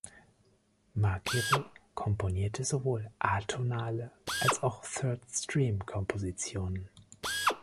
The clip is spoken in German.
Macero komponierte sowohl atonale als auch Third Stream-Kompositionen.